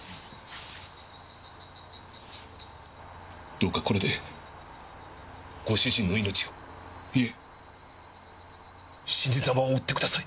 どうかこれでご主人の命をいえ死に様を売ってください。